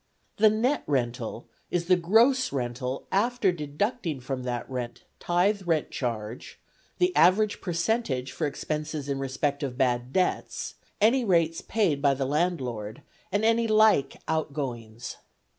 The net rental is the gross rental after deducting from that rent tithe rent charge, the average percentage for expenses in respect of bad debts, any rates paid by the landlord, and any like outgoings.